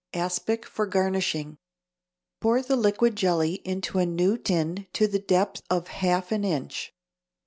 =Aspic for Garnishing.= Pour the liquid jelly into a new tin to the depth of half an inch.